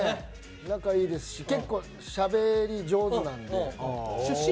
仲いいですし結構しゃべりが上手なので。